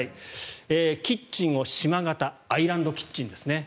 キッチンを島型アイランドキッチンですね。